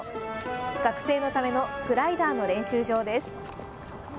学生のためのグライダーの練習場です。